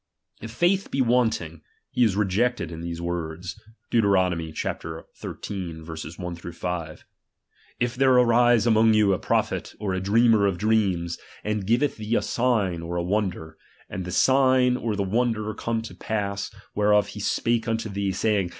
If faith be wanting, he is rejected in these words, (Deut, xiii. 1, 2, 3, 4, 5) : If there arise among you a prophet or a dreamer of dreams, and giveth thee a sign, or a wonder ; and the sign or the wonder come to pass, whereof he spake tmto thee, saying.